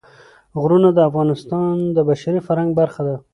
غرونه د افغانستان د بشري فرهنګ برخه ده.